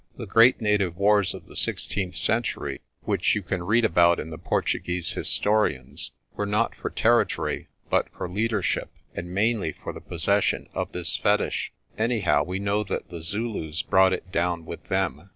The great native wars of the sixteenth century, which you can read about in the Portuguese historians, were not for territory but for leadership, and mainly for the possession of this fetich. Anyhow, we know that the Zulus brought it down with them.